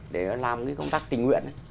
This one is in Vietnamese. để làm cái công tác tình nguyện đấy